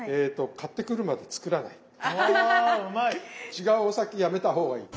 違うお酒やめた方がいい。